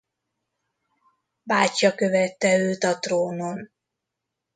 Bátyja követte őt a trónon.